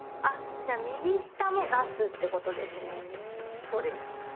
じゃあ右下も出すってことですね。